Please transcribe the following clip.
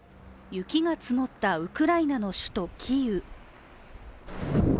雪が積もったウクライナの首都キーウ。